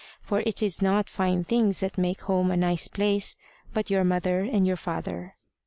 For it is not fine things that make home a nice place, but your mother and your father.